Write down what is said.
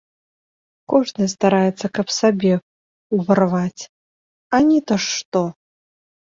Кожны стараецца, каб сабе ўварваць, а ні то што!